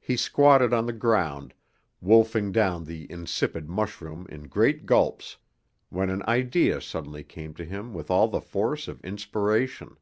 He squatted on the ground, wolfing down the insipid mushroom in great gulps, when an idea suddenly came to him with all the force of inspiration.